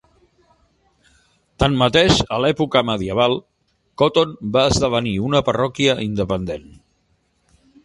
Tanmateix, a l'època medieval, Coton va esdevenir una parròquia independent.